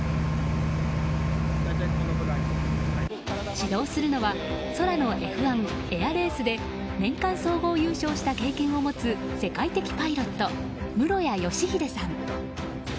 指導するのは空のＦ１エアレースで年間総合優勝した経験を持つ世界的パイロット室屋義秀さん。